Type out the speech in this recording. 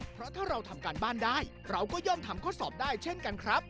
เพราะถ้าเราทำการบ้านได้เราก็ย่อมทำข้อสอบได้เช่นกันครับ